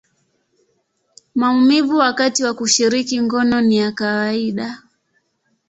maumivu wakati wa kushiriki ngono ni ya kawaida.